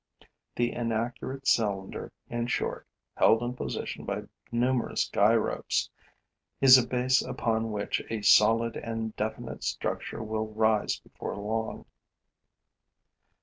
The inaccurate cylinder, in short, held in position by numerous guy ropes, is a base upon which a solid and definite structure will rise before long.